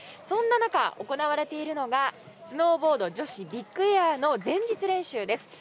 そんな中、行われているのがスノーボード女子ビッグエアの前日練習です。